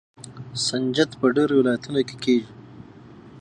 سنجد په ډیرو ولایتونو کې کیږي.